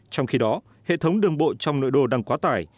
trong khi đó hệ thống đường bộ trong nội đô đang quá tải